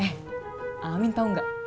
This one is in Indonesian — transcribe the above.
eh amin tau gak